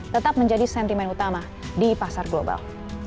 tetap menjadi sentimen utama di pasar global